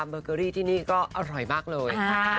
เบอร์เกอรี่ที่นี่ก็อร่อยมากเลย